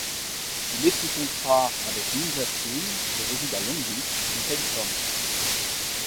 Il est sous contrat avec Ninja Tune et réside à Long Beach, en Californie.